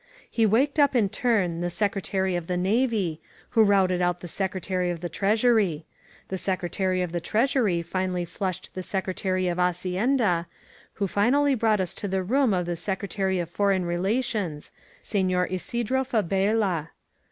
He waked up in turn t£e Sec retary of the Navy, who routed out the Secretary of the Treasury; the Secretary of the Treasury finally flushed the Secretary of Hacienda, who finally brought us to the room of the Secretary of Foreign Relations, Sefior Isidro Fabda.